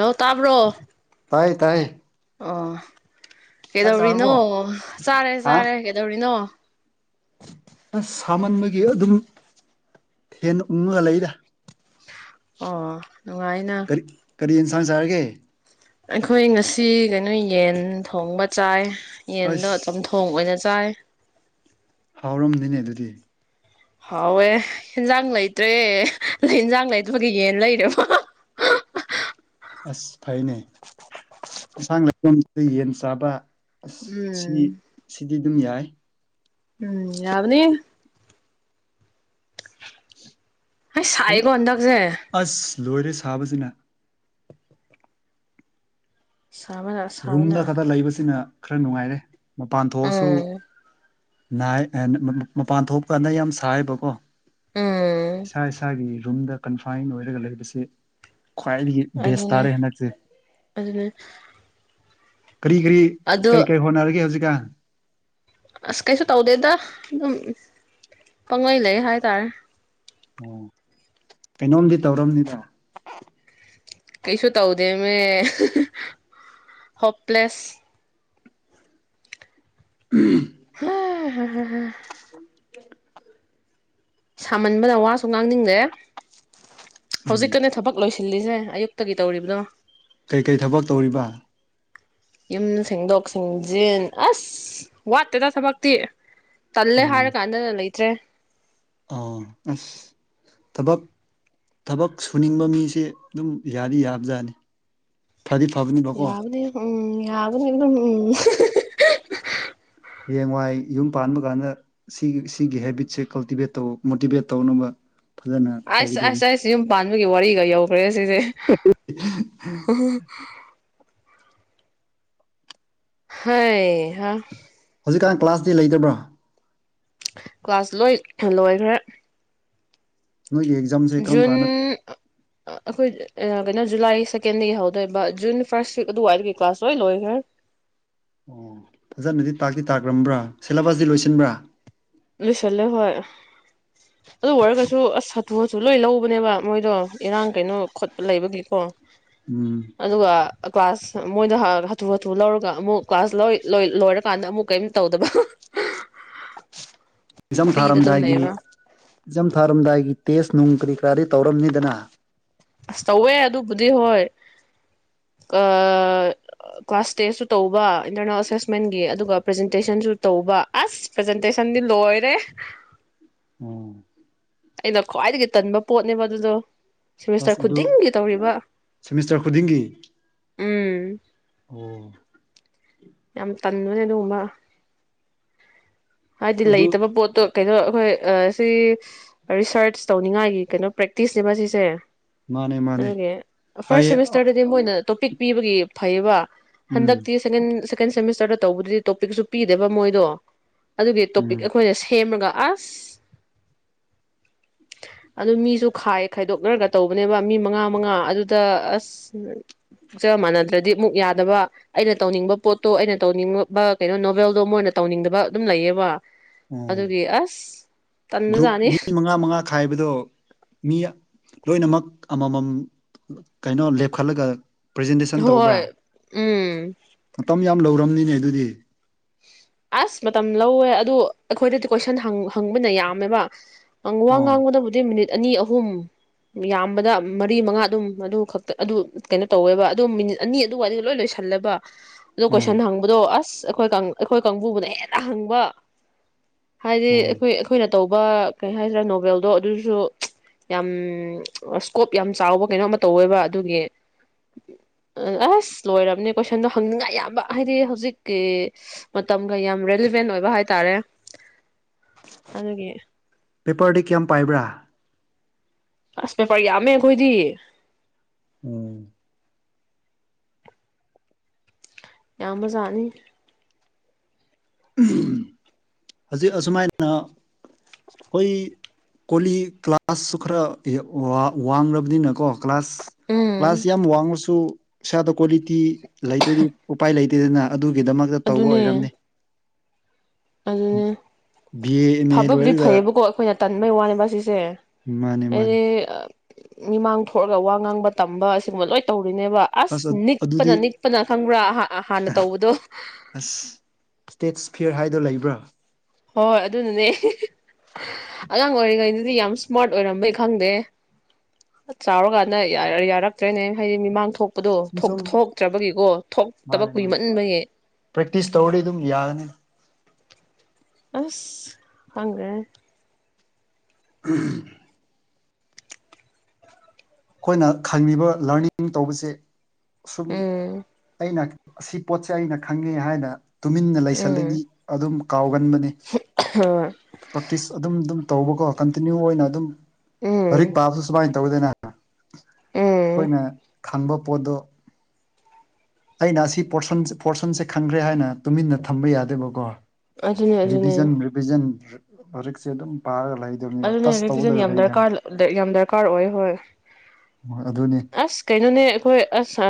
ꯂ ꯇꯥꯕ꯭ꯔꯣ ꯇꯥꯏꯌꯦ ꯇꯥꯏꯌꯦ ꯑꯣ ꯆꯥꯔꯕꯣ ꯀꯩꯗꯧꯔꯤꯅꯣ ꯆꯥꯔꯦ ꯍꯥ ꯆꯥꯔꯦ ꯀꯩꯗꯧꯔꯤꯅꯣ ꯑꯁ ꯁꯥꯃꯟꯕꯒꯤ ꯑꯗꯨꯝ ꯊꯦ ꯎꯡꯉꯒ ꯂꯩꯗ ꯑꯣ ꯅꯨꯡꯉꯥꯏꯅ ꯀꯔꯤ ꯀꯔꯤ ꯌꯦꯟꯁꯥꯡ ꯆꯥꯔꯒꯦ ꯑꯩꯈꯣꯏ ꯉꯁꯤ ꯀꯩꯅꯣ ꯌꯦꯟ ꯊꯣꯡꯕ ꯆꯥꯏ ꯌꯦꯟꯗꯣ ꯑꯁ ꯆꯝꯊꯣꯡ ꯑꯣꯏꯅ ꯆꯥꯏ ꯍꯥꯎꯔꯝꯅꯤꯅꯦ ꯑꯗꯨꯗꯤ ꯍꯥꯎꯋꯦ ꯏꯟꯖꯥꯡ ꯂꯩꯇ꯭ꯔꯦ ꯏꯟꯖꯥꯡ ꯂꯩꯇꯕꯒꯤ ꯌꯦꯟ ꯂꯩꯔꯦꯕ ꯑꯁ ꯐꯩꯅꯦ ꯑꯦꯟꯁꯥꯡ ꯂꯩꯅꯥꯐꯝꯁꯤꯗ ꯌꯦꯟ ꯆꯥꯕ ꯑꯁ ꯁꯤ ꯎꯝ ꯁꯤꯗꯤ ꯑꯗꯨꯝ ꯌꯥꯏ ꯎꯝ ꯌꯥꯅꯤ ꯑꯩ ꯀꯔꯤ ꯁꯥꯏꯒꯟꯗꯒꯁꯦ ꯑꯁ ꯂꯣꯏꯔꯦ ꯁꯥꯕꯁꯤꯅ ꯁꯥꯕꯅ ꯁꯥꯕꯅ ꯔꯨꯝꯗ ꯈꯛꯇ ꯂꯩꯕꯁꯤꯅ ꯈꯔ ꯅꯨꯡꯉꯥꯏꯔꯦ ꯃꯄꯥꯟ ꯊꯣꯛꯑꯁꯨ ꯎꯝ ꯃꯄꯥꯟ ꯊꯣꯛ ꯀꯥꯟꯗ ꯌꯥꯝ ꯁꯥꯏꯕꯀꯣ ꯎꯝ ꯁꯥꯏ ꯁꯥꯏꯒꯤ ꯔꯨꯝꯝꯗ ꯀꯟꯐꯥꯏꯟ ꯑꯣꯏꯔꯒ ꯂꯩꯕꯁꯤ ꯀꯥꯏ ꯦꯁ ꯑꯗꯨꯅꯦ ꯇꯥꯔꯦꯅꯁꯦ ꯑꯗꯨꯅꯦ ꯀꯔꯤ ꯀꯔꯤ ꯑꯗꯣ ꯀꯔꯤ ꯀꯔꯤ ꯍꯣꯠꯅꯔꯒꯦ ꯍꯧꯖꯤꯛ [unintelligible] ꯑꯁ ꯀꯩꯁꯨ ꯇꯧꯗꯦꯗ ꯑꯗꯨꯝ ꯄꯪꯉꯣꯏ ꯂꯩ ꯍꯥꯏꯇꯥꯔꯦ ꯑꯣ ꯀꯩꯅꯣꯝꯗꯤ ꯇꯧꯔꯕꯝꯅꯤꯗ ꯀꯩꯁꯨ ꯇꯧꯗꯦꯃꯦ ꯍꯣꯄꯂꯦꯁ ꯎꯝ ꯍ [unintelligible] ꯁꯥꯃꯟꯕꯗ ꯋꯥꯁꯨ ꯉꯥꯡꯅꯤꯡ ꯗꯦ ꯎꯝ ꯍꯧꯖꯤꯛꯀꯅꯦ ꯊꯕꯛ ꯂꯣꯏꯁꯤ ꯊꯤꯜꯂꯤꯁꯦ ꯑꯌꯨꯛꯇꯒꯤ ꯇꯧꯔꯤꯕꯗꯣ ꯀꯩꯀꯩ ꯊꯕꯛ ꯇꯧꯔꯤꯕ ꯌꯨꯝ ꯁꯦꯡꯗꯣꯛ ꯁꯦꯡꯖꯤꯟ ꯑꯁ ꯋꯥꯠꯇꯦꯗ ꯊꯕꯛꯇꯤ ꯇꯜꯦ ꯍꯥꯥ ꯀꯥꯟꯗꯅ ꯂꯩꯇ꯭ꯔꯦ ꯑ ꯑꯁ ꯊꯕꯛ ꯊꯕꯛ ꯁꯨꯅꯤꯡꯕ ꯃꯤꯁꯦ ꯑꯗꯨꯝ ꯌꯥꯗꯤ ꯌꯥꯕꯖꯥꯠꯅꯤ ꯐꯗꯤ ꯐꯕꯅꯤꯕꯀꯣ ꯌꯥꯕꯅꯤ ꯎꯝ ꯌꯥꯕꯅꯤ ꯎꯝ [inaudible] ꯍꯌꯦꯡꯋꯥꯏ ꯌꯨꯝ ꯄꯥꯟꯕ ꯀꯥꯟꯗ ꯁꯤꯒꯤ ꯁꯤꯒꯤ ꯍꯦꯕꯤꯠꯁꯦ ꯀꯜꯇꯤꯚꯦꯠ ꯇꯧ ꯃꯣꯇꯤꯚꯦꯠ ꯇꯧꯅꯕ ꯐꯖꯅ ꯑꯁ ꯇꯧꯒꯗꯕꯅꯤ ꯑꯁꯦ ꯑꯁ ꯌꯨꯝ ꯄꯥꯟ ꯑꯗꯨꯒꯤ ꯋꯥꯔꯤꯒ ꯌꯎꯈ꯭ꯔꯦ [inaudible] ꯍꯑ ꯍꯧꯖꯤꯛꯀꯥꯟ ꯀ꯭ꯂꯥꯁꯇꯤ ꯂꯩꯇꯕ꯭ꯔꯥ ꯀ꯭ꯂꯥꯁ ꯂꯣꯏ ꯂꯣꯏꯈ꯭ꯔꯦ ꯅꯣꯏꯒꯤ ꯑꯦꯛꯖꯥꯝꯁꯦ ꯀꯔꯝ ꯖꯨꯟ ꯀꯥꯟꯗ ꯑꯩꯈꯣꯏ ꯀꯩꯅꯣ ꯖꯨꯂꯥꯏ ꯁꯦꯀꯦꯟꯗꯒꯤ ꯍꯧꯗꯣꯏꯕ ꯖꯨꯟ ꯐꯥꯔꯁ ꯋꯤꯛ ꯑꯗꯨꯋꯥꯏꯗꯨꯒꯤ ꯀ꯭ꯂꯥꯁ ꯂꯣꯏ ꯂꯣꯏꯈ꯭ꯔꯦ ꯑꯣ ꯐꯖꯅꯗꯤ ꯇꯥꯛꯇꯤ ꯇꯥꯛꯈ꯭ꯔꯕ꯭ꯔꯥ ꯁꯤꯦꯂꯦꯕꯁꯇꯤ ꯂꯣꯏꯁꯤꯟꯕ꯭ꯔꯥ ꯂꯁꯦ ꯍꯣꯏ ꯑꯗꯨ ꯋꯥꯔꯒꯁꯨ ꯑꯁ ꯊꯣꯁꯨ ꯂꯣꯏ ꯂꯧꯕꯅꯦꯕ ꯃꯣꯏꯗꯣ ꯏꯔꯥꯡ ꯀꯩꯅꯣ ꯈꯣꯠꯄ ꯂꯩꯕꯒꯤ ꯀꯣ ꯎꯝ ꯑꯗꯨꯒꯡ ꯀ꯭ꯂꯥꯁ ꯃꯣꯏꯗ ꯍꯥꯊꯨ ꯍꯥꯊꯨ ꯂꯧꯔꯒ ꯑꯃꯨꯛ ꯀ꯭ꯂꯥꯁ ꯂꯣꯏꯔꯀꯥꯟꯗ ꯑꯃꯨꯛ ꯀꯔꯤꯝ ꯇꯧꯗꯕ ꯖꯝ ꯐ꯭ꯔꯤꯗ ꯑꯗꯨꯝ ꯊꯥꯔꯝꯗꯥꯏꯒꯤ ꯂꯩꯕ ꯖꯝ ꯊꯥꯔꯝꯗꯥꯏꯒꯤ ꯇꯦꯁ ꯅꯨꯡ ꯀꯔꯤ ꯀꯔꯤ ꯇꯧꯔꯝꯅꯤꯗꯅ ꯑꯁ ꯇꯧꯋꯦ ꯑꯗꯨꯕꯨꯗꯤ ꯍꯣꯏ ꯀ꯭ꯂꯥꯁ ꯇꯦꯁꯁꯨ ꯇꯧꯕ ꯏꯟꯇꯔꯅꯦꯜ ꯑꯦꯁꯦꯁꯃꯦꯟꯒꯤ ꯑꯗꯨꯒ ꯄ꯭ꯔꯖꯦꯟꯇꯦꯁꯟꯁꯨ ꯇꯧꯕ ꯑꯁ ꯄ꯭ꯔꯖꯦꯟꯇꯦꯁꯟꯗꯤ ꯂꯣꯏꯔꯦ ꯎꯝ ꯑꯩꯅ ꯈ꯭ꯋꯥꯏꯗꯒꯤ ꯇꯟꯕ ꯄꯣꯠꯅꯦꯕ ꯑꯗꯨꯗꯣ ꯁꯦꯃꯤꯁꯇꯔ ꯑꯁ ꯑꯗꯨ ꯈꯨꯗꯤꯡꯒꯤ ꯇꯧꯔꯤꯕ ꯁꯦꯃꯤꯁꯇꯔ ꯈꯨꯗꯤꯡꯒꯤ ꯎꯝ ꯑꯣ ꯌꯥꯝ ꯇꯟꯅꯦ ꯑꯗꯨꯒꯉꯕ ꯍꯥꯏꯗꯂ ꯑꯗꯨ ꯏꯇꯃ ꯄꯣꯠꯇꯣ ꯀꯩꯅꯣ ꯑꯩꯈꯣꯏ ꯁꯤ ꯔꯤꯁꯔꯁ ꯇꯧꯅꯤꯡꯉꯥꯏꯒꯤ ꯀꯩꯅꯣ ꯄ꯭ꯔꯦꯛꯇꯤꯁꯅꯦꯕ ꯁꯤꯁꯦ ꯃꯥꯅꯦ ꯃꯥꯅꯦ ꯑꯗꯨ ꯐꯥꯔꯁ ꯍꯥꯏꯌꯦ ꯁꯦꯃꯤꯁꯇꯔꯗꯗꯤ ꯃꯣꯏꯅ ꯇꯣꯄꯤꯛ ꯄꯤꯕꯒꯤ ꯐꯩꯕ ꯎꯝ ꯍꯟꯗꯛꯛꯇ ꯁ ꯁꯦꯀꯦꯟ ꯁꯦꯃꯤꯁꯇꯔꯗ ꯇꯧꯕꯗꯨꯗꯤ ꯇꯣꯄꯤꯛꯁꯨ ꯄꯤꯗꯦꯕ ꯃꯣꯏꯗꯣ ꯑꯗꯨꯒꯤ ꯇꯣꯄꯤꯛ ꯎꯝ ꯑꯩꯈꯣꯏꯅ ꯁꯦꯝꯃꯒ ꯑꯁ ꯑꯗꯨ ꯃꯤꯁꯨ ꯈꯥꯏ ꯈꯥꯏꯗꯣꯛꯅꯔꯒ ꯇꯧꯕꯅꯦꯕ ꯃꯤ ꯃꯉꯥ ꯃꯉꯥ ꯑꯗꯨꯗ ꯑꯁ ꯄꯣꯛꯆ ꯃꯥꯟꯅꯗ꯭ꯔꯗꯤ ꯑꯃꯨꯛ ꯌꯥꯗꯕ ꯑꯩꯅ ꯇꯧꯅꯤꯡꯕ ꯄꯣꯠꯇꯣ ꯑꯩꯅ ꯇꯧꯅꯤꯡꯕ ꯀꯩꯅꯣ ꯅꯣꯕꯦꯜꯗꯣ ꯃꯣꯏꯅ ꯇꯧꯅꯤꯡꯗꯕ ꯑꯗꯨꯝ ꯂꯩꯌꯦꯕ ꯑꯣ ꯑꯗꯨꯒꯤ ꯑꯁ ꯒ꯭ꯔꯨꯞ ꯇꯟꯕꯖꯥꯠꯅꯤ ꯃꯤ ꯃꯉꯥ ꯃꯉꯥ ꯈꯥꯏꯕꯗꯣ ꯃꯤ ꯂꯣꯏꯅꯃꯛ ꯑꯃꯃꯝ ꯀꯩꯅꯣ ꯂꯦꯞꯈꯠꯂꯒ ꯄ꯭ꯔꯖꯦꯟꯇꯦꯁꯟ ꯇꯧꯕ꯭ꯔꯥ ꯍꯣꯏ ꯎꯝ ꯃꯇꯝ ꯌꯥꯝ ꯂꯧꯔꯝꯅꯤꯅꯦ ꯑꯗꯨꯗꯤ ꯑꯁ ꯃꯇꯝ ꯂꯧꯋꯦ ꯑꯗꯨ ꯑꯩꯈꯣꯏꯗꯗꯤ ꯀꯣꯏꯁꯟ ꯍꯪꯕꯅ ꯌꯥꯝꯃꯦꯕ ꯑꯪ ꯋꯥꯡ ꯑꯣ ꯉꯥꯡꯕꯗꯕꯨꯗꯤ ꯃꯤꯅꯤ ꯑꯅꯤ ꯑꯍꯨꯝ ꯌꯥꯝꯕꯗ ꯃꯔꯤ ꯃꯉꯥ ꯑꯗꯨꯝ ꯑꯗꯨ ꯈꯛꯇ ꯑꯗꯨ ꯀꯩꯅꯣ ꯇꯧꯋꯦꯕ ꯑꯗꯨ ꯃꯤꯅꯤꯠ ꯑꯅꯤ ꯑꯗꯨꯋꯥꯏꯗꯨꯗ ꯂꯣꯏ ꯂꯣꯏꯁꯤꯜꯂꯕ ꯑꯗꯨꯣ ꯑꯣ ꯀꯟ ꯍꯪꯕꯗꯣ ꯑꯁ ꯑꯩꯈꯣꯏꯪ ꯍꯣꯏ ꯀꯥꯡꯕꯨꯕꯨꯅ ꯍꯦꯟꯅ ꯍꯪꯕ ꯍꯥꯏꯗꯤ ꯑꯣ ꯑꯩꯈꯣꯏ ꯑꯩꯈꯣꯏ ꯇꯧꯕ ꯀꯩ ꯍꯥꯏꯁꯤꯔꯥ ꯅꯣꯕꯦꯜꯗꯣ ꯑꯗꯨꯁꯨ ꯌꯥꯝ ꯏꯁ꯭ꯀꯣꯞ ꯌꯥꯝ ꯆꯥꯎꯕ ꯀꯩꯅꯣ ꯑꯃ ꯇꯧꯋꯦꯕ ꯑꯗꯨꯒꯤ ꯑꯁ ꯂꯣꯏꯝꯅꯦ ꯀꯣꯏꯁꯟꯗꯣ ꯍꯪꯅꯤꯡꯉꯥꯏ ꯌꯥꯝꯕ ꯍꯥꯏꯗꯤ ꯍꯧꯖꯤꯛꯀꯤ ꯃꯇꯝꯒ ꯌꯥꯝ ꯦꯂꯤꯚꯦꯟ ꯑꯣꯏꯕ ꯍꯥꯏꯇꯥꯔꯦ ꯑꯗꯨꯒꯤ ꯄꯦꯄꯔꯗꯤ ꯀꯌꯥꯝ ꯄꯥꯏꯕ꯭ꯔꯥ ꯑꯁ ꯄꯦꯄꯔ ꯌꯥꯝꯃꯦ ꯑꯩꯈꯣꯏꯗꯤ ꯎꯝ ꯌꯥꯝ ꯃꯖꯥꯅꯤ ꯍꯧꯖꯤꯛ ꯑꯁꯨꯃꯥꯏꯅ ꯍꯣꯏ ꯀꯣꯂꯤ ꯀ꯭ꯂꯥꯁꯁꯨ ꯈꯔ ꯋꯥꯡꯂꯕꯅꯤꯅꯀꯣ ꯀ꯭ꯂꯥꯁ ꯀ꯭ꯂꯥꯁ ꯎꯝ ꯌꯥꯝ ꯋꯥꯡꯃꯁꯨ ꯁꯗ ꯀ꯭ꯋꯥꯂꯤꯇꯤ ꯂꯩꯇ꯭ꯔꯗꯤ ꯎꯄꯥꯏ ꯂꯩꯇ ꯗꯅ ꯑꯗꯨ ꯒꯤꯗꯃꯛꯇ ꯇꯧꯕ ꯑꯣꯏꯔꯝꯅꯤ ꯑꯗꯨꯅꯦ ꯑꯗꯨꯅꯦ ꯕꯤ ꯑꯦ ꯑꯦꯝ ꯑꯦ ꯐꯕꯕꯨꯗꯤ ꯂꯣꯏꯔꯒ ꯐꯩꯌꯦꯕꯀꯣ ꯑꯩꯈꯣꯏꯅ ꯇꯟꯕꯩ ꯋꯥꯅꯦꯕ ꯁꯤꯁꯦ ꯃꯥꯅꯦ ꯃꯥꯅꯦ ꯑꯗꯤ ꯃꯤꯃꯥꯡ ꯊꯣꯛꯑꯒ ꯋꯥ ꯉꯥꯡꯕ ꯇꯝꯕ ꯑꯁꯤꯒꯨꯝꯕ ꯂꯣꯏ ꯇꯧ ꯅꯦꯕ ꯑꯁ ꯅꯤꯛꯄꯅ ꯅꯤꯛꯄꯅ ꯈꯪꯕ꯭ꯔꯥ ꯍꯥꯟꯅ ꯇꯧꯕꯗꯣ ꯑꯁ ꯏꯁꯇꯦꯠ ꯐꯤꯌꯔ ꯍꯥꯏꯗꯣ ꯂꯩꯕ꯭ꯔꯥ ꯍꯣꯏ ꯍꯣꯏ ꯑꯗꯨꯅꯅꯦ ꯑꯉꯥꯡ ꯑꯣꯏꯔꯤꯉꯩꯗꯗꯤ ꯌꯥꯝ ꯏꯁꯃꯥꯔꯠ ꯑꯣꯏꯔꯝꯕꯩ ꯈꯪꯗꯦ ꯆꯥꯎꯔꯀꯥꯟꯗ ꯌꯥꯔꯛꯇ꯭ꯔꯦꯅꯦ ꯍꯥꯏꯗꯤ ꯃꯤꯃꯥꯡ ꯊꯣꯛ ꯗꯣ ꯁꯨꯝ ꯁꯨꯝ ꯊꯣꯛꯛꯇ꯭ꯔꯕꯒꯤꯀꯣ ꯊꯣꯛꯇꯕ ꯃꯥꯅꯦ ꯃꯥꯅꯦ ꯀꯨꯏꯃꯟꯕꯒꯤ ꯄ꯭ꯔꯦꯛꯇꯤꯁ ꯇꯧꯔꯗꯤ ꯑꯗꯨꯝ ꯌꯥꯒꯅꯤ ꯑꯁ ꯍꯉ ꯑ ꯑꯩꯈꯣꯏꯅ ꯈꯪꯉꯤꯕ ꯂꯔꯅꯤꯡ ꯇꯧꯕꯁꯦ ꯁꯨꯝ ꯎꯝ ꯑꯩꯅ ꯑꯁꯤ ꯄꯣꯠꯁꯦ ꯑꯩꯅ ꯈꯪꯉꯦ ꯍꯥꯏꯅ ꯇꯨꯃꯤꯟꯅ ꯂꯩꯁꯜꯂꯗꯤ ꯎꯝ ꯑꯗꯨꯝ ꯀꯥꯎꯒꯟꯕꯅꯤ ꯍꯣꯏ ꯄ꯭ꯔꯥꯛꯛꯇꯤꯁ ꯑꯗꯨꯝ ꯑꯗꯨꯝ ꯇꯧꯕꯀꯣ ꯀꯟꯇꯤꯅ꯭ꯌꯨ ꯑꯣꯏꯅ ꯑꯗꯨꯝ ꯍꯔ ꯎꯝ ꯄꯥꯞꯁꯨ ꯁꯃ ꯇꯧꯗꯅ ꯎꯝ ꯑꯩꯈꯣꯏꯅ ꯈꯪꯕ ꯄꯣꯠꯇꯣ ꯑꯩꯅ ꯑꯁꯤ ꯄꯁꯟ ꯄꯣꯔꯁꯟꯁꯦ ꯈꯪꯈ꯭ꯔꯦ ꯍꯥꯏꯅ ꯇꯨꯃꯤꯟꯅ ꯊꯝꯕ ꯌꯥꯗꯦꯕꯀꯣ ꯑꯗꯨꯅꯦ ꯑꯗꯨꯅꯦ ꯔꯤꯚꯖꯟ ꯔꯤꯚꯖꯟ ꯄꯔꯛꯁꯦ ꯑꯗꯨꯝ ꯄꯥꯔ ꯑꯗꯨꯅꯦ ꯑꯩꯣꯏ ꯐꯤꯖꯟ ꯌꯥꯝ ꯗꯔꯀꯥꯔ ꯌꯥꯝ ꯗꯔꯀꯥꯔ ꯑꯣꯏ ꯍꯣꯏ ꯍꯣꯏ ꯑꯗꯨꯅꯤ ꯑꯁ ꯀꯩꯅꯣꯅꯦ ꯑꯩꯈꯣꯏ ꯑꯁ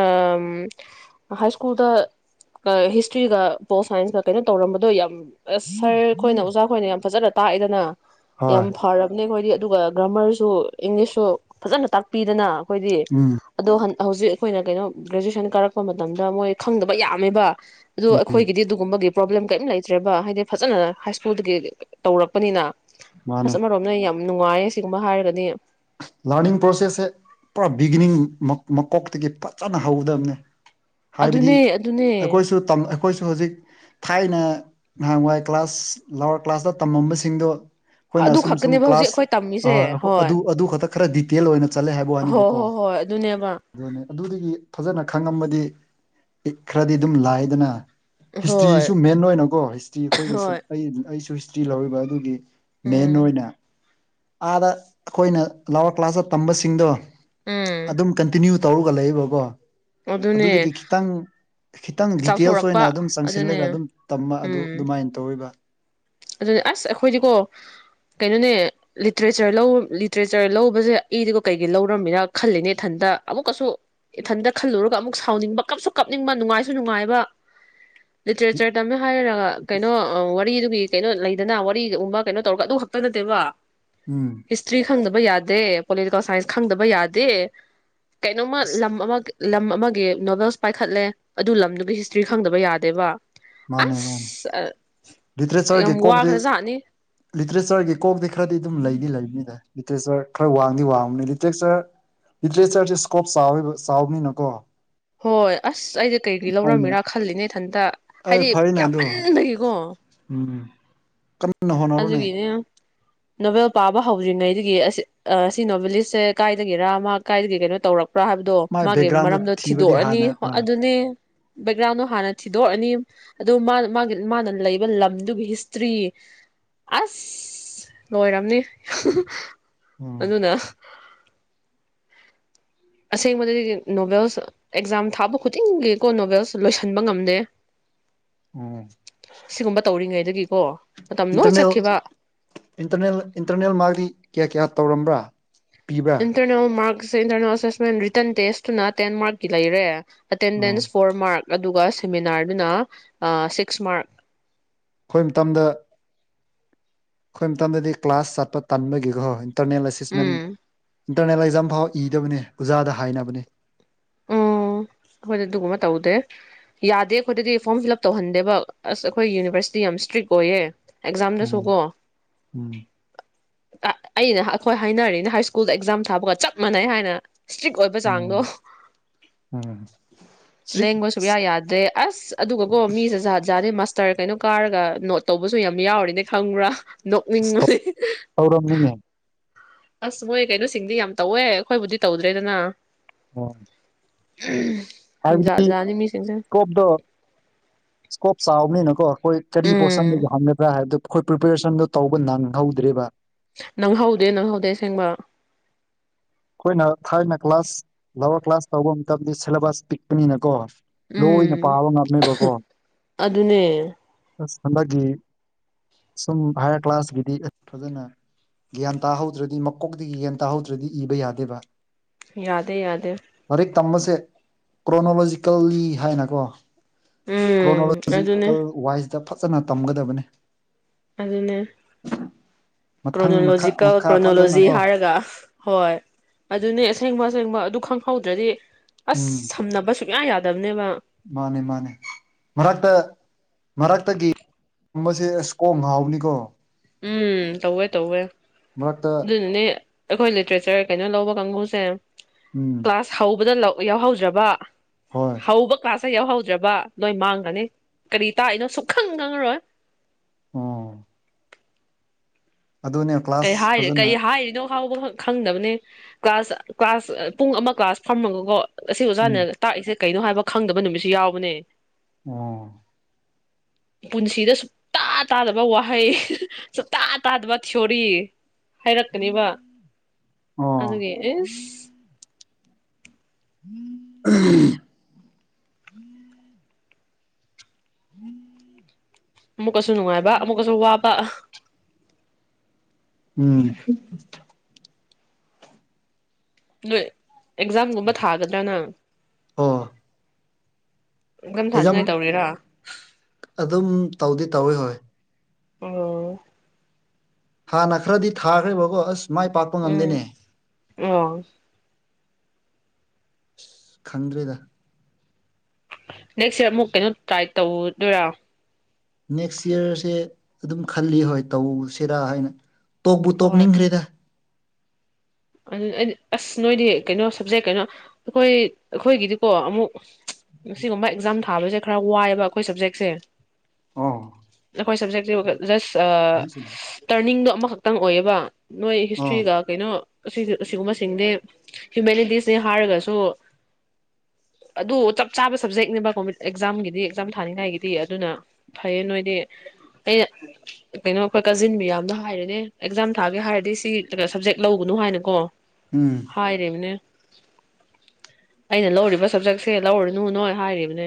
ꯍꯥꯏ ꯁ꯭ꯀꯨꯜꯗ ꯍꯤꯁꯇ꯭ꯔꯤꯒ ꯄꯣꯠ ꯁꯥꯏꯟꯁꯀ ꯀꯩꯅꯣ ꯇꯧꯔꯝꯕꯗꯣ ꯌꯥꯝ ꯑꯁ ꯁꯥꯔ ꯑꯩꯈꯣꯏꯅ ꯑꯣꯖꯥ ꯈꯣꯏꯅ ꯌꯥꯝ ꯐꯖꯂꯦ ꯇꯥꯛꯏꯗꯅ ꯍꯣꯏ ꯌꯥꯝ ꯐꯔꯕꯅꯦ ꯑꯩꯈꯣꯏꯗꯤ ꯑꯗꯨꯒ ꯒ꯭ꯔꯥꯃꯔꯁꯨ ꯏꯪꯂꯤꯁꯁꯨ ꯐꯖꯅ ꯇꯥꯛꯄꯤꯗꯅ ꯑꯩꯈꯣꯏꯗꯤ ꯎꯝ ꯑꯗꯣ ꯍ ꯍꯧꯖꯤꯛ ꯑꯩꯈꯣꯏꯅ ꯀꯩꯅꯣ ꯒ꯭ꯔꯦꯖꯨꯦꯁꯟ ꯀꯥꯔꯛꯄ ꯃꯇꯝꯗ ꯃꯣꯏ ꯈꯪꯗꯕ ꯌꯥꯝꯃꯦꯕ ꯑꯗꯨ ꯎꯝ ꯑꯩꯈꯣꯏꯒꯤꯗꯤ ꯑꯗꯨꯗꯨꯒꯨꯝꯕꯒꯤ ꯄ꯭ꯔꯣꯕ꯭ꯂꯦꯝ ꯀꯔꯤꯝ ꯂꯩꯇ꯭ꯔꯦꯕ ꯍꯥꯏꯗꯤ ꯐꯖꯅ ꯍꯥꯏ ꯁ꯭ꯀꯨꯜꯗꯒꯤ ꯇꯧꯔꯛꯄꯅꯤꯅ ꯑꯁ ꯃꯥꯅꯦ ꯑꯃꯔꯣꯝꯅ ꯌꯥꯝ ꯌꯥꯝ ꯅꯨꯡꯉꯥꯏꯌꯦ ꯑꯁꯤꯒꯨꯝꯕ ꯍꯥꯏꯔꯒꯗꯤ ꯂꯥꯔꯅꯤꯡ ꯄ꯭ꯔꯣꯁꯦꯁꯁꯦ ꯄꯨꯔꯥ ꯕꯤꯒꯤꯅꯤꯡ ꯃꯀꯣꯛꯇꯒꯤ ꯐꯖꯅ ꯍꯧꯒꯗꯕꯅꯦ ꯍꯥꯏꯕꯗꯤ ꯑꯗꯨꯅꯦ ꯑꯗꯨꯅꯦ ꯑꯩꯈꯣꯏꯁꯨ ꯇꯝ ꯑꯩꯈꯣꯏꯁꯨ ꯍꯧꯖꯤꯛ ꯊꯥꯏꯅ ꯅꯍꯥꯟꯋꯥꯏ ꯀ꯭ꯂꯥꯁ ꯂꯋꯥꯔ ꯀ꯭ꯂꯥꯁꯇ ꯇꯝꯃꯝꯕꯁꯤꯡꯗꯣ ꯑꯩꯈꯣꯏꯅ ꯑꯗꯨ ꯁꯨꯝ ꯁꯨꯝ ꯈꯛꯇꯅꯦꯕ ꯍꯧꯖꯤꯛ ꯀ꯭ꯂꯥꯁ ꯑꯩꯈꯣꯏ ꯇꯝꯃꯤꯁꯦ ꯑꯣꯏ ꯍꯣꯏ ꯑꯗꯨ ꯑꯗꯨ ꯈꯛꯇ ꯈꯔ ꯗꯤꯇꯦꯜ ꯑꯣꯏꯅ ꯆꯠꯂꯦ ꯍꯥꯏꯕ ꯍꯣꯏ ꯋꯥꯅꯤꯕꯀꯣ ꯍꯣꯏ ꯍꯣꯏ ꯑꯗꯨꯅꯦꯕ ꯑꯗꯨ ꯑꯗꯨ ꯐꯖꯅ ꯈꯪꯉꯝꯃꯗꯤ ꯏꯛ ꯈ꯭ꯔꯗꯤ ꯑꯗꯨꯝ ꯂꯥꯏꯗꯅ ꯍꯣꯏ ꯍꯤꯁꯇ꯭ꯔꯤꯁꯨ ꯃꯦꯟ ꯑꯣꯏꯅꯀꯣ ꯍꯤꯁꯇ꯭ꯔꯤ ꯑꯩꯈꯣꯏꯒꯤ ꯍꯣꯏ ꯑꯩ ꯑꯩꯁꯨ ꯐꯇꯤ ꯂꯧꯔꯤꯕ ꯑꯗꯨꯒꯤ ꯃꯦꯟ ꯎꯝ ꯑꯣꯏꯅ ꯑꯥꯗ ꯑꯩꯈꯣꯏꯅ ꯀ꯭ꯂꯥꯎꯋꯥ ꯀ꯭ꯂꯥꯁꯇ ꯇꯝꯕꯁꯤꯡꯗꯣ ꯎꯝ ꯑꯗꯨꯝ ꯀꯟꯇꯤꯟꯅꯨ ꯇꯧꯔꯒ ꯂꯩꯕꯀꯣ ꯑꯗꯨꯅꯦ ꯑꯗꯨꯗꯒꯤ ꯈꯤꯇꯪ ꯈꯤꯇꯪ ꯗꯤꯇꯦꯜꯁ ꯑꯣꯏꯅ ꯆꯥꯎꯊꯣꯔꯛꯄ ꯑꯗꯨꯝ ꯆꯪꯁꯤꯜꯂꯒ ꯑꯗꯨꯅꯦ ꯑꯗꯨꯝ ꯇꯝꯕ ꯑꯗꯨ ꯎꯝ ꯑꯗꯨꯃꯥꯏꯅ ꯇꯧꯔꯤꯕ ꯑꯗꯨꯅꯦ ꯑꯁ ꯑꯩꯈꯣꯏꯗꯤꯀꯣ ꯀꯩꯅꯣꯅꯦ ꯂꯤꯇꯔꯦꯆꯔ ꯂꯤꯇꯔꯦꯆꯔ ꯂꯧꯕꯁꯦ ꯑꯩꯗꯤꯀꯣ ꯀꯩꯒꯤꯩ ꯂꯧꯔꯝꯃꯤꯅ ꯈꯜꯂꯤꯅꯦ ꯏꯊꯟꯇ ꯑꯃꯨꯛꯀꯁꯨ ꯏꯊꯟꯇ ꯈꯜꯂꯨꯔꯒ ꯑꯃꯨꯛ ꯁꯥꯎꯅꯤꯡꯕ ꯀꯞꯁꯨ ꯀꯥꯞꯅꯤꯡꯕ ꯅꯨꯡꯉꯥꯏꯁꯨ ꯅꯨꯡꯉꯥꯏꯕ ꯂꯤꯇꯔꯦꯆꯔ ꯇꯝꯅ ꯍꯥꯏꯔꯒ ꯀꯩꯅꯣ ꯋꯥꯔꯤꯗꯨ ꯀꯩꯅꯣ ꯂꯩꯗꯅ ꯋꯥꯔꯤꯒꯨꯝꯕ ꯀꯩꯅꯣ ꯇꯧꯔꯒ ꯑꯗꯨ ꯈꯛꯇ ꯅꯠꯇꯦꯕ ꯎꯝ ꯍꯤꯁꯇ꯭ꯔꯤ ꯈꯪꯗꯕ ꯌꯥꯗꯦ ꯄꯣꯂꯤꯇꯤꯀꯦꯜ ꯁꯥꯏꯟꯁ ꯈꯪꯗꯕ ꯌꯥꯗꯦ ꯀꯩꯅꯣꯃ ꯑꯁ ꯂꯝ ꯑꯃ ꯂꯝ ꯑꯃꯒꯤ ꯅꯣꯕꯦꯜꯁ ꯄꯥꯏꯈꯠꯂꯦ ꯑꯗꯨ ꯂꯝꯗꯨꯒꯤ ꯍꯤꯁꯇ꯭ꯔꯤ ꯈꯪꯗꯕ ꯌꯥꯗꯦꯕ ꯃꯥꯅꯦ ꯃꯥꯅꯦ ꯑꯁ ꯇ꯭ꯔꯦ ꯂꯤꯇꯦꯆꯔꯒꯤ ꯌꯥꯝ ꯀꯣꯛꯇꯤ ꯋꯥꯈ꯭ꯔꯖꯥꯠꯅꯤ ꯂꯤꯇꯔꯦꯆꯔꯒꯤ ꯀꯣꯛꯇꯤ ꯈꯔꯗꯤ ꯑꯗꯨꯝ ꯂꯩꯗꯤ ꯂꯩꯕꯅꯤꯅꯦ ꯂꯤꯇꯔꯦꯆꯔ ꯈꯔ ꯋꯥꯡꯗꯤ ꯋꯥꯡꯕꯅꯤ ꯂꯤꯇꯔꯦꯆꯔ ꯂꯤꯇꯔꯦꯆꯔꯁꯦ ꯏꯁꯀꯣꯞ ꯆꯥꯎꯕ ꯆꯥꯎꯕꯅꯤꯅꯀꯣ ꯍꯣꯏ ꯑꯁ ꯑꯩꯗꯤ ꯀꯩꯒꯤ ꯍꯣꯏꯅꯦ ꯂꯧꯔꯝꯃꯤꯔꯥ ꯈꯜꯂꯤꯅꯦ ꯊꯟꯇ ꯑꯩ ꯍꯥꯏꯗꯤ ꯐꯔꯦꯅꯦ ꯑꯗꯣ ꯌꯥꯝꯃꯟꯕꯗꯒꯤꯀꯣ ꯅꯍꯅꯔꯣꯅꯦ ꯅꯣꯚꯦꯜ ꯄꯥꯕ ꯍꯧꯗ꯭ꯔꯤꯉꯩꯗꯒꯤ ꯑꯁꯤ ꯑꯁꯤ ꯅꯣꯚꯦꯂꯤꯁꯁꯦ ꯀꯥꯏꯗꯒꯤꯔꯥ ꯑꯃ ꯀꯥꯏꯗꯒꯤ ꯀꯩꯅꯣ ꯇꯧꯔꯛꯄ ꯭ꯔꯥ ꯍꯥꯏꯕꯗꯣ ꯃꯥꯏ ꯃꯥꯒꯤ ꯕꯦꯛꯒ꯭ꯔꯥꯎꯟꯗꯣ ꯃꯔꯝꯗꯣ ꯊꯤꯕꯗꯤ ꯊꯤꯗꯣꯛꯑꯅꯤ ꯍꯥꯟꯅ ꯑꯥ ꯑꯗꯨꯅꯦ ꯕꯦꯛꯒ꯭ꯔꯥꯎꯟꯗꯣ ꯍꯥꯟꯅ ꯊꯤꯗꯣꯛꯑꯅꯤ ꯑꯗꯨ ꯃꯥ ꯃꯥꯒꯤ ꯃꯥꯅ ꯂꯩꯕ ꯂꯝꯗꯨꯒꯤ ꯍꯤꯁꯇ꯭ꯔꯤ ꯑꯁ ꯂꯣꯏꯔꯝꯅꯤ ꯎꯝ ꯑꯗꯨꯅ ꯑꯁꯦꯡꯕꯗꯗꯤ ꯅꯣꯚꯦꯜꯁ ꯑꯦꯛꯖꯥꯝ ꯊꯥꯕ ꯈꯨꯗꯤꯡꯒꯤꯀꯣ ꯅꯣꯚꯦꯜꯁ ꯂꯣꯏꯁꯤꯟꯕ ꯉꯝꯗꯦ ꯁꯤꯒꯨꯝꯕ ꯇꯧꯔꯤꯉꯩꯗꯒꯤꯀꯣ ꯃꯇꯝ ꯂꯣꯏ ꯏꯟꯇꯔꯅꯦꯜ ꯆꯠꯈꯤꯕ ꯏꯟꯔꯅꯦ ꯏꯟꯇꯔꯅꯦꯜ ꯃꯥꯗꯤ ꯀꯌꯥ ꯀꯌꯥ ꯇꯧꯔꯝꯕ꯭ꯔꯥ ꯄꯤꯕ꯭ꯔꯥ ꯑꯦꯇ꯭ꯔꯅ ꯃꯥ ꯏꯟꯇꯔꯅꯦꯜꯁꯦꯁꯦꯟ ꯔꯤꯇꯔꯟ ꯇꯦꯁꯇꯨꯅ ꯇꯦꯟ ꯃꯥꯔꯛꯀꯤ ꯂꯩꯔꯦ ꯎꯝ ꯑꯇꯦꯟꯗꯦꯟꯁ ꯐꯣꯔ ꯃꯥꯔꯛ ꯑꯗꯨꯒ ꯁꯦꯃꯤꯅꯥꯔꯗꯨꯅ ꯁꯤꯛꯁ ꯃꯥꯔꯛ ꯑꯩꯈꯣꯏ ꯃꯇꯝꯗ ꯍꯣꯏ ꯃꯇꯝꯗꯗꯤ ꯀ꯭ꯂꯥꯁ ꯆꯥꯠꯄ ꯇꯥꯟꯕꯒꯤꯒꯣꯣꯏ ꯇꯔꯅꯦꯂꯥꯏꯁꯤꯁꯃꯦꯟ ꯎꯝ ꯏꯟꯇꯔꯅꯦꯜ ꯑꯦꯛꯖꯥꯝ ꯐꯥꯎ ꯏꯗꯕꯅꯤ ꯑꯣꯖꯥꯗ ꯍꯥꯏꯅꯕꯅꯤ ꯑꯣ ꯑꯩꯈꯣꯏꯗ ꯑꯗꯨꯒꯨꯝꯕ ꯇꯧꯗꯦ ꯌꯥꯗꯦ ꯑꯩꯈꯣꯏꯗꯗꯤ ꯐꯣꯔꯝ ꯐꯤꯜ ꯑꯞ ꯇꯧꯍꯟꯗꯦꯕ ꯑꯁ ꯑꯩꯈꯣꯏ ꯌꯨꯅꯤꯚꯔꯁꯤꯇꯤ ꯌꯥꯝꯅ ꯏꯁꯇ꯭ꯔꯤꯛ ꯑꯣꯏꯌꯦ ꯎꯝ ꯑꯦꯛꯖꯥꯝꯗꯁꯨꯀꯣ ꯎꯝ ꯑꯩꯅ ꯑꯩꯈꯣꯏ ꯍꯥꯏꯅꯔꯤꯅꯤ ꯍꯥꯏ ꯁ꯭ꯀꯨꯜꯗ ꯑꯦꯛꯖꯥꯝ ꯊꯥꯕꯒ ꯆꯞ ꯃꯥꯟꯅꯩ ꯍꯥꯏꯅ ꯏꯁꯇ꯭ꯔꯤꯛ ꯑꯣꯏꯕ ꯆꯥꯡꯗꯣ ꯎꯝ ꯎꯝ ꯁ꯭ꯔꯤ ꯂꯦꯡꯉꯣ ꯁꯨꯕꯌꯥ ꯌꯥꯗ꯭ꯔꯦ ꯑꯁ ꯑꯗꯨꯒꯀꯣ ꯃꯤꯁꯦꯖꯥꯠꯖꯥ ꯃꯥꯁꯇꯔ ꯀꯩꯅꯣ ꯀꯥꯔꯒ ꯅꯣꯠ ꯇꯧꯕꯁꯨ ꯌꯥꯝ ꯌꯥꯎꯔꯤꯅꯦ ꯈꯪꯕ꯭ꯔꯥ ꯅꯣꯛꯅꯤꯡꯕꯗꯤ ꯇꯧꯔꯝꯅꯤꯅꯦ ꯑꯁ ꯃꯣꯏ ꯀꯩꯅꯣꯁꯤꯡꯗꯤ ꯌꯥꯝ ꯇꯧꯋꯦ ꯑꯩꯈꯣꯏꯕꯨꯗꯤ ꯇꯧꯗ꯭ꯔꯦꯗꯅ ꯑꯣ ꯎꯝ ꯍꯥꯏꯕꯗꯤ ꯏꯁꯀꯣꯞꯇꯣ ꯏꯁꯀꯣꯞ ꯆꯥꯎꯕꯅꯤꯅ ꯍꯣꯏ ꯀꯔꯤ ꯎꯝ ꯄꯣꯔꯁꯟꯗꯒꯤ ꯍꯪꯒꯕ꯭ꯔꯥ ꯍꯥꯏꯕꯗꯨ ꯑꯩꯈꯣꯏ ꯄ꯭ꯔꯤꯄꯦꯔꯦꯁꯟꯗꯣ ꯇꯧꯕ ꯅꯪꯍꯧꯗ꯭ꯔꯔꯤꯕ ꯅꯪꯍꯧꯗꯦ ꯅꯪꯍꯧꯗꯦ ꯑꯁꯦꯡꯕ ꯑꯩꯈꯣꯏꯅ ꯊꯥꯔꯅ ꯀ꯭ꯂꯥꯁ ꯂꯋꯥꯔ ꯀ꯭ꯂꯥꯁ ꯇꯧꯕ ꯃꯇꯝꯗ ꯁꯤꯦꯂꯦꯕꯁ ꯄꯤꯛꯄꯅꯤꯅꯀꯣ ꯂꯣꯏꯅ ꯎꯝ ꯄꯥꯕ ꯉꯝꯅꯦꯕꯀꯣ ꯑꯗꯨꯅꯦ ꯑꯁ ꯍꯟꯗꯛꯀꯤ ꯁꯨꯝ ꯍꯥꯏꯌꯔ ꯀ꯭ꯂꯥꯁꯀꯤꯗꯤ ꯐꯖꯅ ꯒ꯭ꯌꯥꯟ ꯇꯥꯍꯧꯗ꯭ꯔꯗꯤ ꯃꯀꯣꯛꯇꯒꯤ ꯒ꯭ꯌꯥꯟ ꯇꯥꯍꯧꯗ꯭ꯔꯗꯤ ꯏꯕ ꯌꯥꯗꯦꯕ ꯌꯥꯗꯦ ꯌꯥꯗꯦ ꯂꯥꯏꯔꯤꯛ ꯇꯝꯕꯁꯦ ꯀ꯭ꯔꯣꯅꯣꯂꯣꯖꯤꯀꯦꯜꯂꯤ ꯍꯥꯏꯅꯀꯣ ꯎꯝ ꯑꯗꯨ ꯑꯗꯨꯅꯦ ꯁꯤꯗ ꯐꯖꯅ ꯇꯝꯒꯗꯕꯅꯤ ꯑꯗꯨꯅꯦ ꯃꯊꯪ ꯃꯈꯥ ꯀ꯭ꯔꯣꯅꯣꯂꯣꯖꯤꯀꯦꯜ ꯃꯈꯥ ꯀ꯭ꯔꯣꯅꯣꯂꯣꯖꯤ ꯐꯖꯅꯀꯣ ꯍꯥꯏꯔꯒ ꯍꯣꯏ ꯍꯣꯏ ꯑꯗꯨꯅꯦ ꯑꯁꯦꯡꯕ ꯑꯁꯦꯡꯕ ꯈꯪꯍꯧꯗ꯭ꯔꯗꯤ ꯑꯁ ꯎꯝ ꯁꯝꯅꯕꯁꯨ ꯉ ꯌꯥꯗꯕꯅꯦꯕ ꯃꯥꯅꯦ ꯃꯥꯅꯦ ꯃꯔꯛꯇ ꯃꯦ ꯑꯁꯀꯣꯡ ꯍꯥꯎꯅꯤꯀꯣ ꯎꯝ ꯇꯧꯋꯦ ꯇꯧꯋꯦ ꯃꯔꯛꯇ ꯑꯗꯨꯅꯅꯦ ꯑꯩꯈꯣꯏ ꯂꯤꯇ꯭ꯔꯦꯆꯔ ꯀꯩꯅꯣ ꯂꯧꯕ ꯀꯥꯡꯕꯨꯁꯦ ꯎꯝ ꯀ꯭ꯂꯥꯁ ꯍꯧꯕꯗ ꯂ ꯌꯥꯎꯍꯧꯗ꯭ꯔꯕ ꯍꯣꯏ ꯍꯧꯕ ꯀ꯭ꯂꯥꯁꯇ ꯌꯥꯎꯍꯧꯗ꯭ꯔꯕ ꯅꯣꯏ ꯃꯥꯡꯒꯅꯤ ꯀꯔꯤ ꯇꯥꯛꯏꯅꯣ ꯁꯨꯈꯪ ꯈꯪꯉꯔꯣꯏ ꯑ ꯀꯔꯤ ꯀ꯭ꯂꯥꯁ ꯍꯥꯏꯔꯤ ꯐꯖꯅ ꯀꯩ ꯍꯥꯏꯔꯤꯅꯣ ꯍꯥꯎꯕ ꯈꯪꯗꯕꯅꯦ ꯀ꯭ꯂꯥꯁ ꯀ꯭ꯂꯥꯁ ꯄꯨꯡ ꯑꯃ ꯀ꯭ꯂꯥꯁ ꯊꯝꯃꯒꯀꯣ ꯑꯁꯤ ꯎꯝ ꯑꯣꯖꯥꯅꯦꯅ ꯇꯥꯛꯏꯁꯦ ꯀꯩꯅꯣ ꯍꯥꯏꯕ ꯈꯪꯗꯕ ꯅꯨꯃꯤꯠꯁꯨ ꯌꯥꯎꯕꯅꯦ ꯑ ꯄꯨꯟꯁꯤꯗ ꯁꯨꯡꯇꯥ ꯇꯥꯗꯕ ꯋꯥꯍꯩ ꯁꯇꯥ ꯇꯥꯗꯕ ꯆꯔꯤ ꯍꯥꯏꯔꯛꯀꯅꯦꯕ ꯑꯣ ꯑꯗꯨꯒꯤ ꯑꯦꯁ ꯎꯝ [unintelligible] ꯃ [unintelligible] ꯑꯃꯨꯛꯀꯁꯨ ꯅꯨꯡꯉꯥꯏꯕ ꯑꯃꯨꯛꯀꯁꯨ ꯋꯥꯕ ꯎꯝ ꯂꯩ ꯑꯦꯛꯖꯥꯝꯒꯨꯝꯕ ꯊꯥꯒꯗ꯭ꯔꯥ ꯅꯪ ꯃꯊꯪ ꯑꯦꯖꯝ ꯊꯥꯅꯤꯡꯉꯥꯏ ꯇꯧꯔꯤꯔꯥ ꯑꯗꯨꯝ ꯇꯧꯗꯤ ꯇꯧꯋꯤ ꯍꯣꯏ ꯑꯣ ꯍꯥꯟꯅ ꯈꯔꯗꯤ ꯊꯥꯈ꯭ꯔꯦꯕꯣ ꯑꯁ ꯃꯥꯏ ꯄꯥꯛꯄ ꯉꯝꯗꯦꯅꯦ ꯑꯣ ꯑꯁ ꯈꯪꯗ꯭ꯔꯦꯗ ꯅꯦꯛꯁ ꯏꯔ ꯑꯃꯨꯛ ꯀꯩꯅꯣ ꯇ꯭ꯔꯥꯏ ꯇꯧꯗꯣꯏꯔꯥ ꯅꯦꯛꯁ ꯏꯌꯥꯔꯁꯦ ꯑꯗꯨꯝ ꯈꯜꯂꯤ ꯍꯣꯏ ꯇꯧꯁꯤꯔꯥ ꯍꯥꯏꯅ ꯇꯣꯛꯄꯕꯨ ꯍꯣꯏ ꯇꯣꯛꯅꯤꯡꯈ꯭ꯔꯦꯗ ꯑꯗꯨ ꯑꯩꯗꯤ ꯑꯁ ꯅꯣꯏꯗꯤ ꯀꯩꯅꯣ ꯁꯕꯖꯦꯛ ꯀꯩꯅꯣ ꯑꯩꯈꯣꯏ ꯑꯩꯈꯣꯏꯒꯤꯗꯤꯀꯣ ꯑꯃꯨꯛ ꯃꯁꯤꯁꯤꯒ ꯑꯦꯛꯖꯝ ꯊꯥꯕꯁꯦ ꯈꯔ ꯋꯥꯏꯑꯦꯕ ꯑꯩꯈꯣꯏ ꯁꯞꯖꯦꯛꯁꯦ ꯑꯣ ꯑꯩꯈꯣꯏ ꯁꯕꯖꯦꯛꯇꯤ ꯖꯁ ꯇꯔꯅꯤꯡꯗꯣ ꯑꯃꯈꯛꯇꯪ ꯑꯣꯏꯌꯦꯕ ꯅꯣꯏ ꯑꯣ ꯍꯤꯁꯇ꯭ꯔꯤꯒ ꯀꯩꯅꯣ ꯑꯁꯤꯒꯨꯝꯕꯁꯤꯡꯗꯤ ꯍ꯭ꯌꯨꯃꯦꯂꯤꯇꯤꯁꯅꯤ ꯍꯥꯏꯔꯒꯁꯨ ꯑꯗꯨ ꯆꯞ ꯆꯥꯕ ꯁꯕꯖꯦꯛꯅꯦꯕ ꯀ ꯑꯦꯛꯖꯥꯝꯒꯤꯗꯤ ꯑꯦꯛꯖꯥꯝ ꯊꯥꯅꯤꯡꯉꯥꯏꯒꯤꯗꯤ ꯑꯗꯨꯅ ꯐꯩꯌꯦ ꯅꯣꯏꯗꯤ ꯑꯩꯅ ꯀꯩꯅꯣ ꯑꯩꯈꯣꯏ ꯀꯖꯤꯟ ꯃꯤꯌꯥꯝꯅ ꯍꯥꯏꯔꯦꯅꯦ ꯑꯦꯛꯖꯥꯝ ꯊꯥꯒꯦ ꯍꯥꯏꯔ ꯁꯤ ꯁꯕꯖꯦꯛ ꯂꯧꯒꯅꯨ ꯍꯥꯏꯅ ꯒꯣ ꯎꯝ ꯍ ꯔꯦꯃꯤꯅꯦ ꯑꯩꯅ ꯂꯧꯔꯤꯕ ꯁꯕꯖꯦꯛꯁꯦ ꯂꯧꯔꯨꯅꯨ ꯅꯣꯏ ꯍꯥꯏꯔꯤꯕꯅꯦ